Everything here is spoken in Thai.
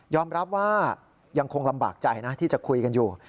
รับว่ายังคงลำบากใจนะที่จะคุยกันอยู่